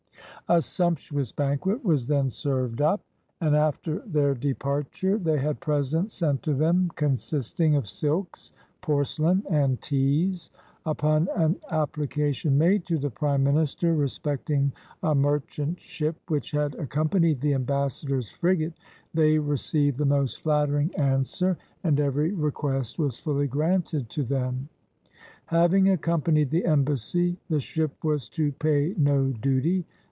A sumptuous banquet was then served up, and 190 THE FIRST ENGLISH AMBASSADOR after their departure they had presents sent to them consisting of silks, porcelain, and teas. Upon an appli cation made to the prime minister, respecting a merchant ship which had accompanied the ambassador's frigate, they received the most flattering answer, and every request was fully granted to them. Having accompanied the embassy, the ship was to pay no duty.